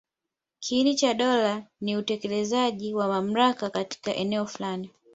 Kiini cha dola ni utekelezaji wa mamlaka katika eneo fulani.